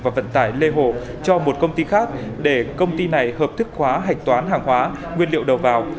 và vận tải lê hồ cho một công ty khác để công ty này hợp thức hóa hạch toán hàng hóa nguyên liệu đầu vào